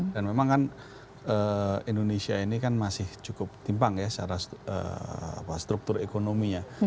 dan memang kan indonesia ini kan masih cukup timpang ya secara struktur ekonominya